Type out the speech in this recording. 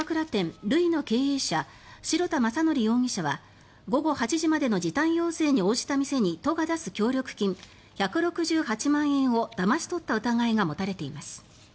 ＬＯＵＩＳの経営者白田匡憲容疑者は午後８時までの時短要請に応じた店に都が出す協力金１６８万円をだまし取った疑いが持たれています。